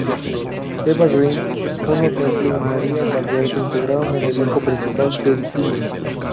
Eva Green, Juno Temple y María Valverde integraron el elenco principal del filme.